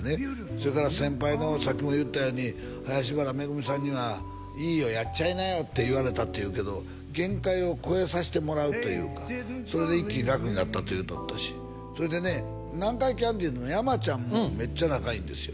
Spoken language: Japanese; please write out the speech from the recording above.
それから先輩のさっきも言ったように林原めぐみさんにはいいよやっちゃいなよって言われたっていうけど限界を超えさせてもらうというかそれで一気に楽になったと言うとったしそれで南海キャンディーズの山ちゃんもめっちゃ仲いいんですよ